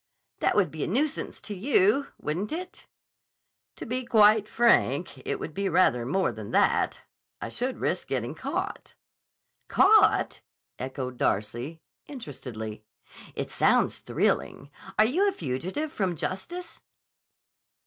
"That would be a nuisance to you, wouldn't it?" "To be quite frank, it would be rather more than that. I should risk getting caught." "Caught?" echoed Darcy interestedly. "It sounds thrilling. Are you a fugitive from justice?"